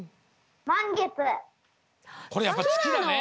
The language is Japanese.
これやっぱつきだね。